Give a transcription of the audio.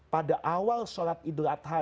pada awal sholat idlatha